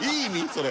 それ。